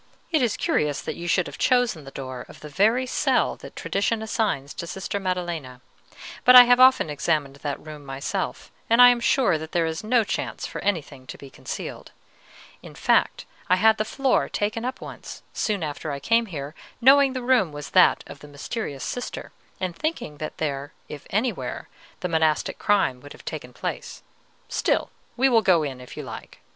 "It is curious that you should have chosen the door of the very cell that tradition assigns to Sister Maddelena; but I have often examined that room myself, and I am sure that there is no chance for anything to be concealed. In fact, I had the floor taken up once, soon after I came here, knowing the room was that of the mysterious Sister, and thinking that there, if anywhere, the monastic crime would have taken place; still, we will go in, if you like."